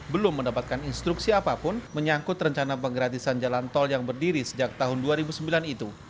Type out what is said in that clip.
belum mendapatkan instruksi apapun menyangkut rencana penggratisan jalan tol yang berdiri sejak tahun dua ribu sembilan itu